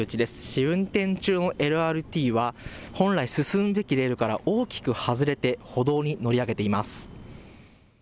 試運転中のＬＲＴは、本来進むべきレールから大きく外れて、歩道に乗り上げています。